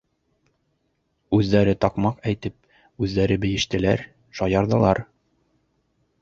Үҙҙәре таҡмаҡ әйтеп, үҙҙәре бейештеләр, шаярҙылар.